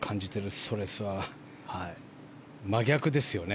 ストレスは真逆ですよね。